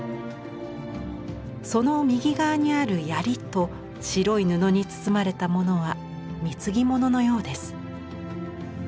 その右側にあるやりと白い布に包まれたものは貢ぎ物のようです。